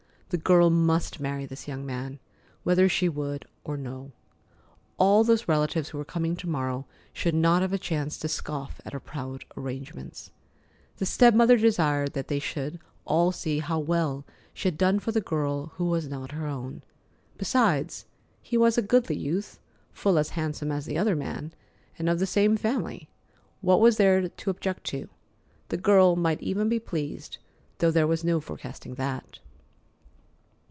The girl must marry this young man, whether she would or no. All those relatives who were coming to morrow should not have a chance to scoff at her proud arrangements. The step mother desired that they should all see how well she had done for the girl who was not her own. Besides, he was a goodly youth, full as handsome as the other man, and of the same family. What was there to object to? The girl might even be pleased, though there was no forecasting that.